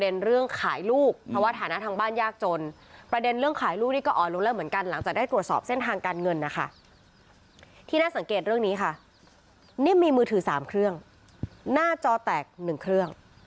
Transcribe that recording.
ซึ่งอันนี้น้ำหนักมันอ่อนลงแล้วเพราะเขาบอกว่าใช้โดนบินก็ไม่เจอ